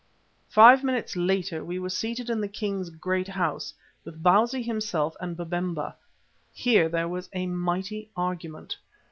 Five minutes later we were seated in the king's "great house" with Bausi himself and Babemba. Here there was a mighty argument.